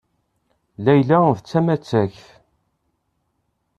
Layla d tamattakt.